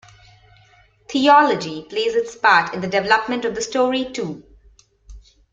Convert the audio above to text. Theology plays its part in the development of the story too.